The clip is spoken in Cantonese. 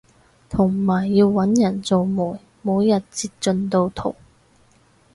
同埋要搵人做媒每日截進度圖